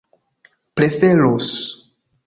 preferus